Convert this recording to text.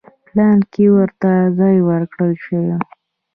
پلان کې ورته ځای ورکړل شوی و.